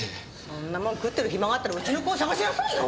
そんなもん食ってる暇があったらうちの子を捜しなさいよ。